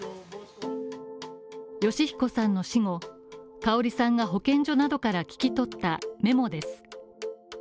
善彦さんの死後、かおりさんが保健所などから聞き取ったメモです。